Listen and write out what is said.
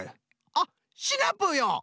あっシナプーよ！